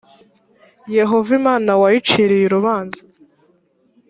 yehova imana wayiciriye urubanza